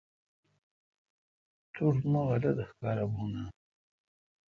توٹھ مہ غلط احکارہ بھون اؘ۔